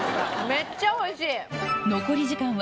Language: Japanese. めっちゃおいしい。